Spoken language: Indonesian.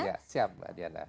iya siap mbak diana